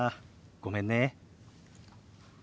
ごめんね。